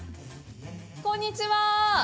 こんにちは。